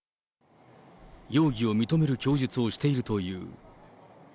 容疑を認める供述をしているという。